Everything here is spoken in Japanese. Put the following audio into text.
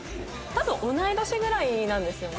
多分同い年ぐらいなんですよね？